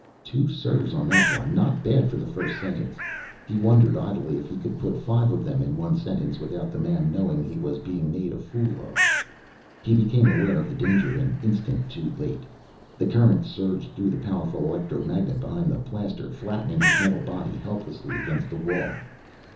Two "sir" on that one, not bad for the first sentence. He wondered idly if he could put five of them in one sentence without the man knowing he was being made a fool of. He became aware of the danger an instant too late. The current surged through the powerful electromagnet behind the plaster flattening his metal body helplessly against the wall.